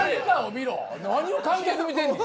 何を観客見てんねん。